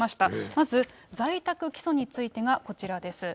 まず在宅起訴についてがこちらです。